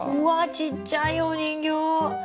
ちっちゃいお人形！